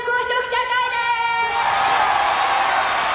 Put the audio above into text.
社会でーす！